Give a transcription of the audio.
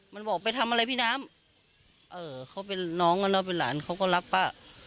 มันบอกไปทำอะไรพี่น้ำเออเขาเป็นน้องกันเนอะเป็นหลานเขาก็รักป้า